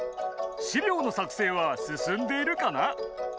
資料の作成は進んでいるカナ？」。